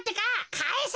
かえせ！